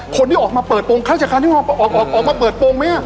คนที่ออกมาเปิดโปรงข้าราชการที่มาออกมาเปิดโปรงไหม